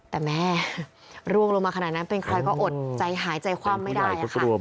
แต่แม่ร่วงลงมาขนาดนั้นเป็นใครก็อดใจหายใจคว่ำไม่ได้ค่ะ